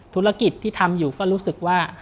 ธุรกิจที่ทำอยู่ก็รู้สึกว่า